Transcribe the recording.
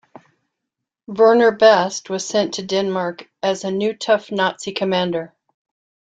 Werner Best was sent to Denmark as a new tough Nazi commander.